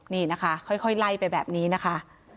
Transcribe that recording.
นี่นะคะค่อยไล่ไปแบบนี้นะคะ